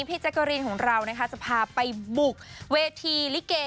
พี่แจ็คเกอรีนของเราจะพาไปบุกเวทีลิเกย์